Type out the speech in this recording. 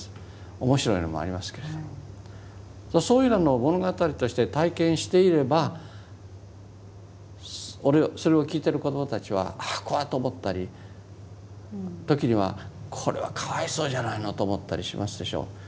そういうのを物語として体験していればそれを聞いてる子どもたちはああ怖いと思ったり時にはこれはかわいそうじゃないのと思ったりしますでしょう。